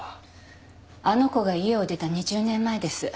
あの子が家を出た２０年前です